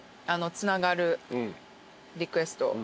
つながるリクエスト。